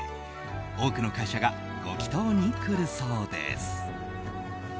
多くの会社がご祈祷に来るそうです。